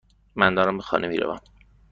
من دارم به خانه میروم.